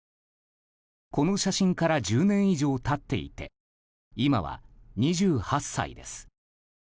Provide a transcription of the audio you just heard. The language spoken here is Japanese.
この写真から１０年以上経っていて、今は２８歳です。